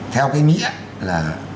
theo cái nghĩa là